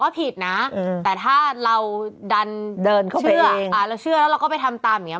ก็ผิดนะแต่ถ้าเราดันเชื่อแล้วเราก็ไปทำตามอย่างเงี้ย